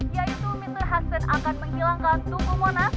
yaitu mr hasan akan menghilangkan tukul monas